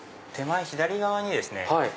手前左側にですね